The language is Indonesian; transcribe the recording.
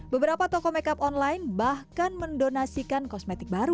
beberapa toko makeup online bahkan mendonasikan kosmetik baru